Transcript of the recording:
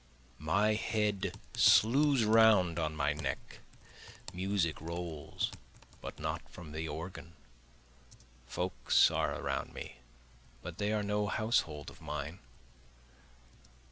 My head slues round on my neck, Music rolls, but not from the organ, Folks are around me, but they are no household of mine.